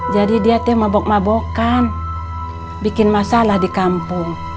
jadi dia teh mabok mabokan bikin masalah di kampung